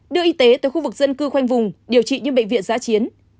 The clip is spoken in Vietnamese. đưa y tế tới khu vực dân cư khoanh vùng điều trị những bệnh viện giã chiến